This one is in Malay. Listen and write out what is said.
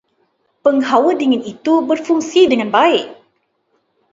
Penghawa dingin itu berfungsi dengan baik.